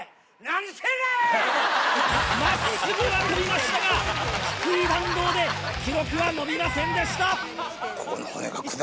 真っすぐは飛びましたが低い弾道で記録は伸びませんでした。